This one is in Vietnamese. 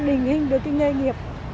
bình hình được cái nghề nghiệp